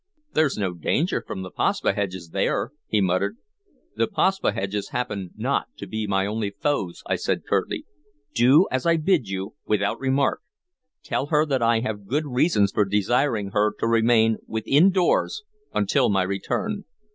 "There 's no danger from the Paspaheghs there," he muttered. "The Paspaheghs happen not to be my only foes," I said curtly. "Do as I bid you without remark. Tell her that I have good reasons for desiring her to remain within doors until my return.